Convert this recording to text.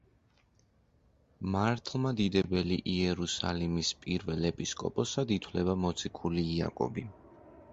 მართლმადიდებელი იერუსალიმის პირველ ეპისკოპოსად ითვლება მოციქული იაკობი.